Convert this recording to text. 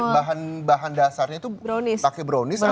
bahan bahan dasarnya tuh pake brownies